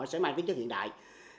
sẽ mang tới chất hiện đại